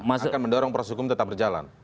akan mendorong proses hukum tetap berjalan